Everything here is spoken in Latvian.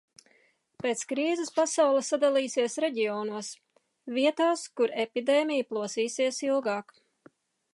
Pēc krīzes pasaule sadalīsies reģionos – vietās, kur epidēmija plosīsies ilgāk.